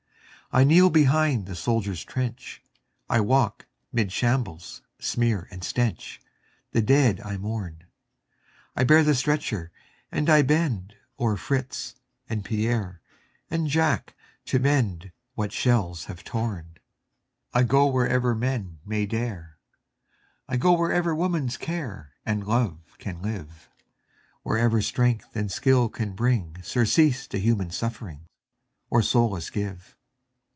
I kneel behind the soldier's trench, I walk 'mid shambles' smear and stench, The dead I mourn; I bear the stretcher and I bend O'er Fritz and Pierre and Jack to mend What shells have torn. I go wherever men may dare, I go wherever woman's care And love can live, Wherever strength and skill can bring Surcease to human suffering, Or solace give.